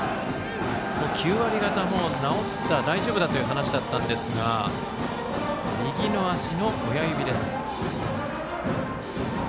９割方治った、大丈夫だという話だったんですが右の足の親指です。